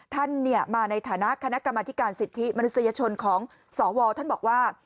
ท่านมาในฐานะคณะกรรมธิการสิทธิมนุษยชนของสวท่านบอกว่า